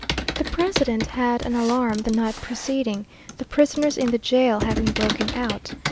The president had an alarm the night preceding, the prisoners in the jail having broken out.